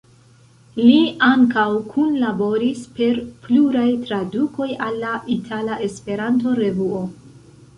Li ankaŭ kunlaboris per pluraj tradukoj al la "Itala Esperanto-Revuo".